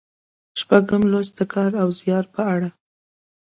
شپږم لوست د کار او زیار په اړه دی.